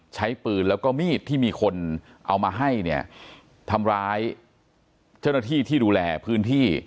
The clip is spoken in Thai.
ใช้ปืนแล้วก็มีดที่มีคนเอามาให้เนี่ยทำร้ายเจ้าหน้าที่ที่ดูแลพื้นที่